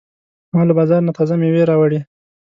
ما له بازار نه تازه مېوې راوړې.